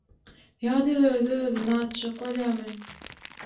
Ýa-da özi özüni atjak bolýarmy?